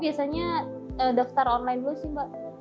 biasanya daftar online dulu sih mbak